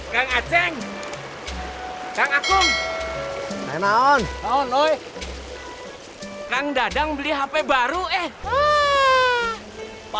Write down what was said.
buat sensitifnya itu lagi ribet